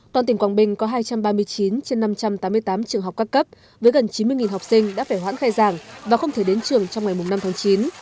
toàn tỉnh quảng bình có hai trăm ba mươi chín trên năm trăm tám mươi tám trường học các cấp với gần chín mươi học sinh đã phải hoãn khai giảng và không thể đến trường trong ngày năm tháng chín